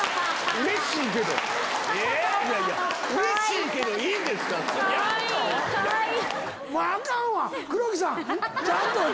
うれしいけどいいんですか⁉かわいい！